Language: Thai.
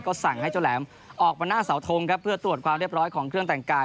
สั่งให้เจ้าแหลมออกมาหน้าเสาทงครับเพื่อตรวจความเรียบร้อยของเครื่องแต่งกาย